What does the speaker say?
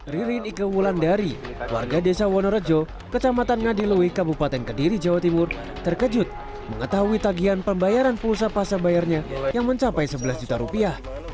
ririn ikewulan dari warga desa wonorejo kecamatan ngadilui kabupaten kediri jawa timur terkejut mengetahui tagian pembayaran pulsa pasca bayarnya yang mencapai sebelas juta rupiah